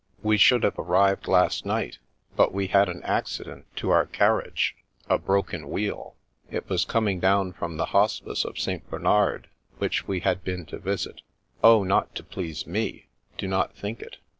" Wc should have arrived last night, but we had an acci dent to our carriage — ^a broken wheel. It was com ing down from the Hospice of St Bernard, which we had been to visit — oh, not to please me, do not think it.